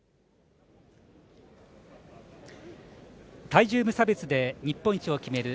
体重無差別で日本一を決める